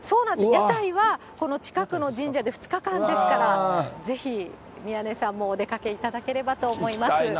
屋台はこの近くの神社で２日間ですから、ぜひ宮根さんもお出かけ行きたいな。